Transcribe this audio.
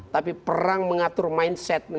tapi perang mengatur mindset